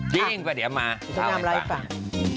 จริงแต่เดี๋ยวมาทำอะไรบ้าง